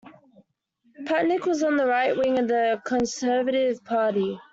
Patnick was on the right wing of the Conservative Party.